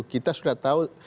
kita sudah tahu